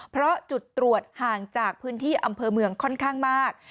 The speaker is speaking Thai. เพราะจุดตรวจห่างจากพื้นที่อำเภอเมืองค่อนข้างมาก